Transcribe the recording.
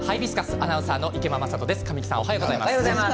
アナウンサーの池間昌人です。